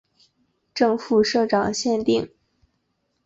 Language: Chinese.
正副社长限定